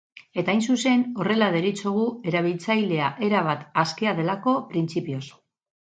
Eta hain zuzen, horrela deritzogu, erabiltzailea erabat askea delako, printzipioz.